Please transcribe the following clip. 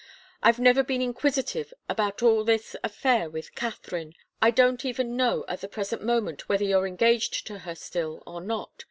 I've never been inquisitive about all this affair with Katharine. I don't even know at the present moment whether you're engaged to her still, or not.